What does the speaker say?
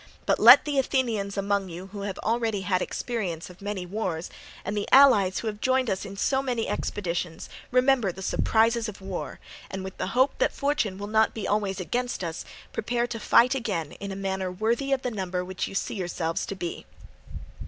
But let the Athenians among you who have already had experience of many wars, and the allies who have joined us in so many expeditions, remember the surprises of war, and with the hope that fortune will not be always against us, prepare to fight again in a manner worthy of the number which you see yourselves to be.